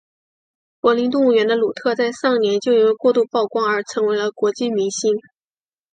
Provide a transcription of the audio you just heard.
柏林动物园的努特在上一年就因为过度曝光而成为了国际明星。